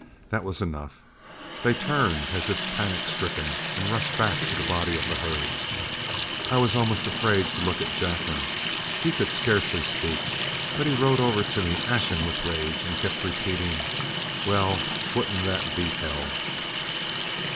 That was enough: they turned as if panic stricken and rushed back to the body of the herd. I was almost afraid to look at Jacklin. He could scarcely speak, but he rode over to me, ashen with rage, and kept repeating, "Well, wouldn't that beat hell!"